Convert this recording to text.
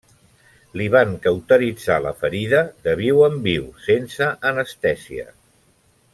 Li van cauteritzar la ferida de viu en viu, sense anestèsia.